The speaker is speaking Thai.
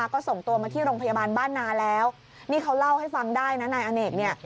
ก็ส่งตัวมาที่โรงพยาบาลบ้านนาแล้วนี่เขาเล่าให้ฟังได้นะนายอเนกเนี่ย